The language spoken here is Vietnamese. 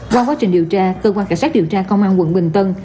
qua quá trình điều tra cơ quan cảnh sát điều tra công an quận bình tân